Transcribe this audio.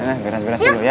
nah beres beres dulu ya